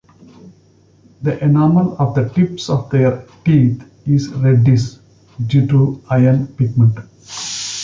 The enamel of the tips of their teeth is reddish due to iron pigment.